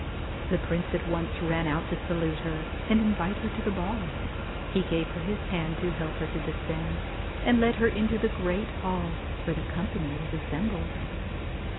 The prince at once ran out to salute her and invite her to the ball. He gave her his hand to help her to descend, and led her into the great hall where the company was assembled.